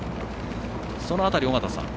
その辺り、尾方さん